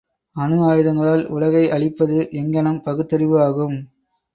அணு ஆயுதங்களால் உலகை அழிப்பது எங்ஙணம் பகுத்தறிவு ஆகும்?